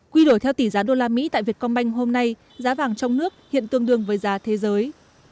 quy đổi theo tỷ giá usd tại việt công banh hôm nay giá vàng trong nước hiện tương đương với giá thế giới